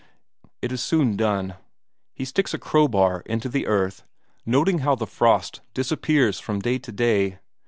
It is soon done. He sticks a crowbar into the earth, noting how the frost disappears from day to day.